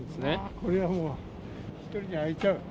これはもう、１人で開いちゃう。